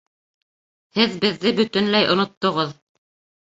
Һеҙ беҙҙе бөтөнләй оноттоғоҙ